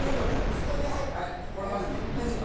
これ混ぜていいんですか？